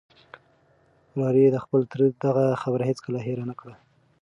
وراره یې د خپل تره دغه خبره هیڅکله هېره نه کړه.